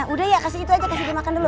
udah ya kasih itu aja terus dia makan dulu